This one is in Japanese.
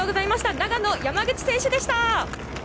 長野、山口選手でした。